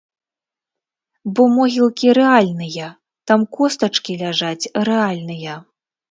Бо могілкі рэальныя, там костачкі ляжаць рэальныя.